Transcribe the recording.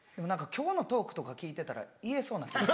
今日のトークとか聞いてたら言えそうな気が。